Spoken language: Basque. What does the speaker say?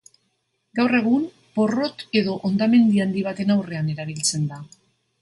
Gaur egun porrot edo hondamendi handi baten aurrean erabiltzen da.